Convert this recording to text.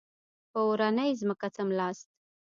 په اورنۍ ځمکه څملاست.